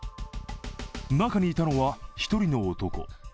中にいたのは、１人の男。